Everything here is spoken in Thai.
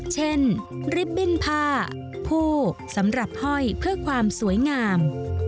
ริบบิ้นผ้าผู้สำหรับห้อยเพื่อความสวยงาม